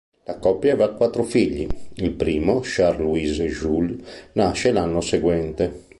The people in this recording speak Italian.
La coppia avrà quattro figli: il primo, Charles-Louis Jules, nasce l'anno seguente.